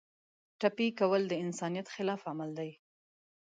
ټپي کول د انسانیت خلاف عمل دی.